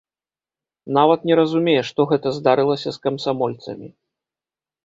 Нават не разумее, што гэта здарылася з камсамольцамі.